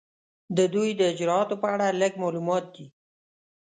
د دوی د اجرااتو په اړه لږ معلومات دي.